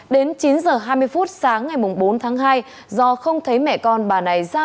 đến chín h hai mươi phút sáng ngày bốn tháng hai do không thấy mẹ con bà này ra